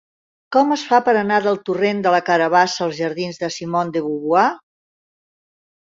Com es fa per anar del torrent de la Carabassa als jardins de Simone de Beauvoir?